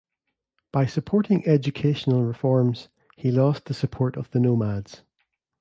By supporting educational reforms, he lost the support of the nomads.